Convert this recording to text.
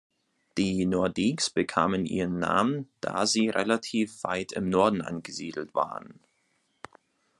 Die Nordiques bekamen ihren Namen, da sie relativ weit im Norden angesiedelt waren.